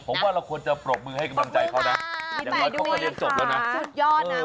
ผมว่าเราควรจะปรบมือให้กำลังใจเขานะอย่างน้อยเขาก็เรียนจบแล้วนะสุดยอดนะ